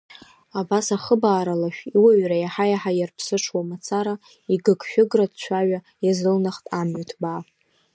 Абас ахыбаара лашә иуаҩра иаҳа-иаҳа иарԥсыҽуа мацара, игыгшәыгратә цәаҩа иазылнахт амҩа ҭбаа.